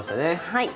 はい。